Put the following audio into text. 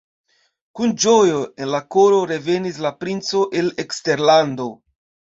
Kun ĝojo en la koro revenis la princo el eksterlando.